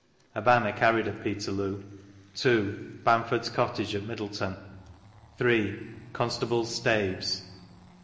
A Banner carried at Petctloo. 2. Bamford's Cottage M MiddleCon. 3. Constables' Staves.